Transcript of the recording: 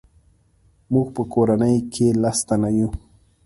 موږ په کورنۍ کې لس تنه یو.